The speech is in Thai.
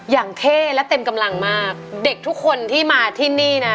เท่และเต็มกำลังมากเด็กทุกคนที่มาที่นี่นะ